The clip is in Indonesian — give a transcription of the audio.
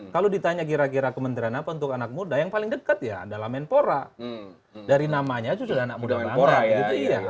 kalau ditanya kira kira kementerian apa untuk anak muda yang paling dekat ya adalah menpora dari namanya itu sudah anak muda banget gitu iya